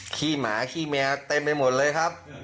ขี้หมาขี้เมียเต็มไปหมดเลยครับ